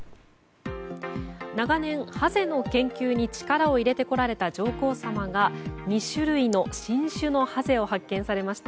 長年ハゼの研究に力を入れてこられた上皇さまが、２種類の新種のハゼを発見されました。